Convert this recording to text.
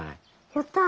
やった。